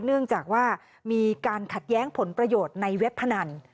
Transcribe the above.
เนื่องจากว่ามีการขัดแย้งผลประโยชน์ในเว็บพนัน